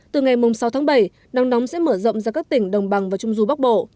từ ngày sáu tháng bảy nắng nóng sẽ mở rộng ra các tỉnh đồng bằng và trung du bắc bộ